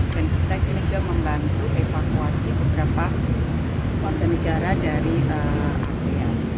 dan kita juga membantu evakuasi beberapa warga negara dari asean